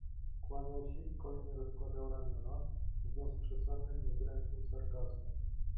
"Kłaniał się i kornie rozkładał ramiona, mówiąc z przesadnym, niezręcznym sarkazmem."